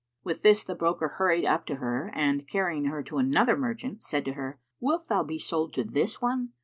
'" With this the broker hurried up to her and, carrying her to another merchant, said to her, "Wilt thou be sold to this one?"